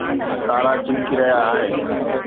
تارا چمڪي رهيا آهن